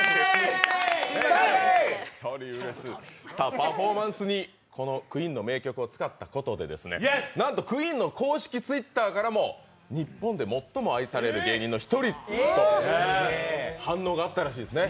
パフォーマンスにこのＱＵＥＥＮの名曲を使ったことでなんとＱＵＥＥＮの公式Ｔｗｉｔｔｅｒからも日本で最も愛される芸人の一人と反応があったらしいですね。